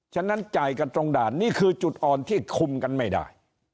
ฉะนั้นจ่ายกันตรงด่านนี่คือจุดอ่อนที่คุมกันไม่ได้